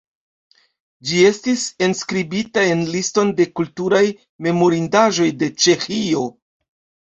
Ĝi estis enskribita en Liston de kulturaj memorindaĵoj de Ĉeĥio.